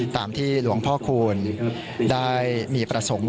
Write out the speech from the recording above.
ตามที่หลวงพ่อคูณได้มีประสงค์